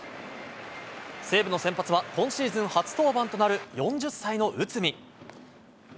西武の先発は、今シーズン初登板となる４０歳の内海。